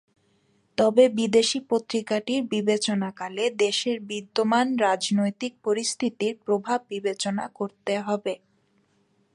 তবে বিদেশি পত্রিকাটির বিবেচনাকালে দেশের বিদ্যমান রাজনৈতিক পরিস্থিতির প্রভাব বিবেচনা করতে হবে।